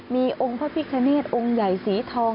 มีองค์พระพิคเนธองค์ใหญ่สีทอง